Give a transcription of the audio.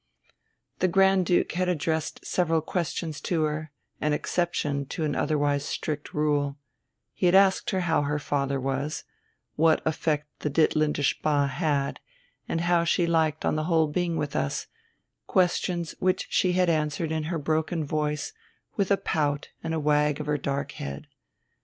The Grand Duke had addressed several questions to her, an exception to an otherwise strict rule; he had asked her how her father was, what effect the Ditlinde Spa had, and how she liked on the whole being with us questions which she had answered in her broken voice with a pout and a wag of her dark head.